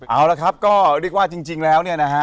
เอาละครับรึกว่าจริงแล้ว